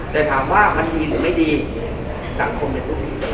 แต่ถามว่ามันดีหรือไม่ดีสังคมในรุ่นมีจะละละ